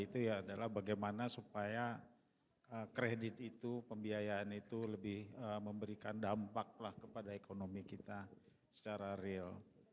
itu ya adalah bagaimana supaya kredit itu pembiayaan itu lebih memberikan dampak kepada ekonomi kita secara real